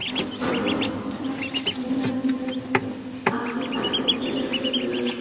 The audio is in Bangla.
কথা বলতেই ভ্যালডিমারের আকৃতিতে স্পষ্ট একটা পরিবর্তন লক্ষ করা গেল।